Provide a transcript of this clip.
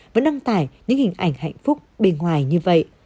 vẫn đăng tải những hình ảnh hạnh phúc bên ngoài như vậy